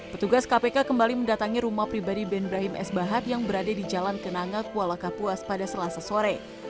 petugas kpk kembali mendatangi rumah pribadi ben brahim s bahat yang berada di jalan kenanga kuala kapuas pada selasa sore